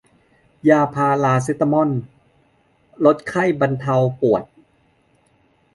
ยาพาราเซตามอล ลดไข้ บรรเทาปวด